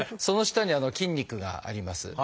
その下に筋肉があります。